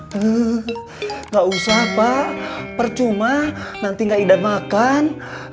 tidak usah pak percuma nanti nggak idam makan